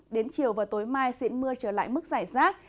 đến chiều và tối mai sẽ mưa trở lại mức giải rác